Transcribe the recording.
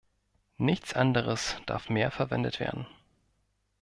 Nichts anderes darf mehr verwendet werden.